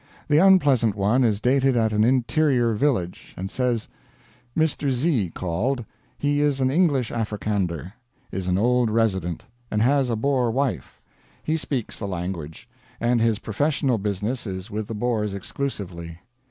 The unpleasant one is dated at an interior village, and says "Mr. Z. called. He is an English Afrikander; is an old resident, and has a Boer wife. He speaks the language, and his professional business is with the Boers exclusively.